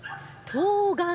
とうがん？